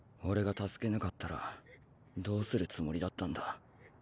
俺が助けなかったらどうするつもりだったんだ？